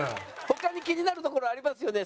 他に気になるところありますよね？